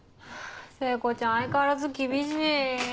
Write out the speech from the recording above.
聖子ちゃん相変わらず厳しい。